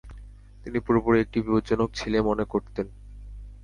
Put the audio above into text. তিনি পুরোপুরি একটা বিপজ্জনক ছেলে মনে করতেন।